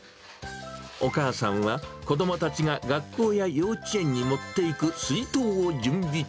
お母さんは子どもたちが学校や幼稚園に持っていく水筒を準備中。